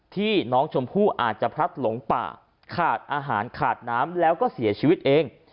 ที่น้องชมพู่อาจจะพลัดหลงป่าขาดอาหารขาดน้ำแล้วก็เสียชีวิตเอง